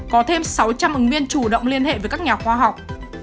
có thêm sáu trăm linh ứng viên chủ động liên hệ với các nhà khoa học